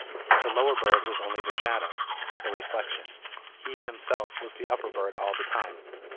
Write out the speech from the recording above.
The lower bird was only the shadow, the reflection ; he, himself, was the upper bird all the time.